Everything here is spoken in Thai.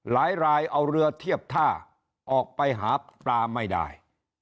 หลายรายเอาเรือเทียบท่าออกไปหาปลาไม่ได้